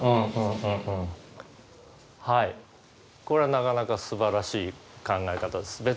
これなかなかすばらしい考え方です。